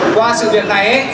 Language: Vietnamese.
qua sự việc này